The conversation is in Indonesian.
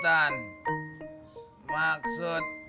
tau udah k bestimmt